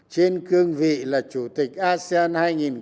trên cương vị là chủ tịch asean hai nghìn hai mươi